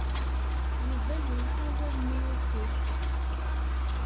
Yuba yura awal-nni uffir.